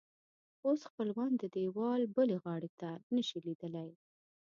اوس خپلوان د دیوال بلې غاړې ته نه شي لیدلی.